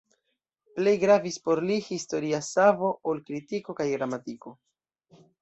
Plej gravis por li historia savo ol kritiko kaj gramatiko.